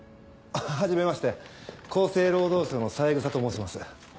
はじめまして厚生労働省の三枝と申します。